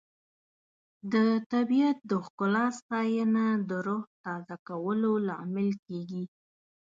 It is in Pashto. د طبیعت د ښکلا ستاینه د روح تازه کولو لامل کیږي.